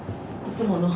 いつもの。